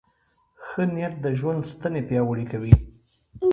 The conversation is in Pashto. ښه نیت د ژوند ستنې پیاوړې کوي.